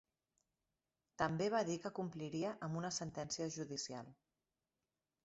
També va dir que compliria amb una sentència judicial.